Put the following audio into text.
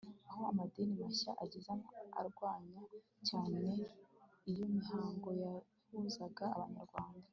aho amadini mashya aziye arwanya cyane iyo mihango yahuzaga abanyarwanda